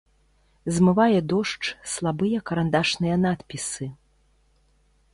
Змывае дождж слабыя карандашныя надпісы.